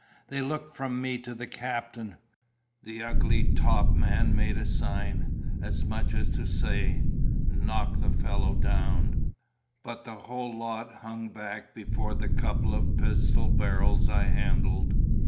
They looked from me to the captain. The ugly top man made a sign, as much as to say, 'Knock the fellow down;' but the whole lot hung back before the couple of pistol barrels I handled.